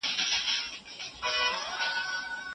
تاسو د نوي لاري د موندلو هڅه کوله.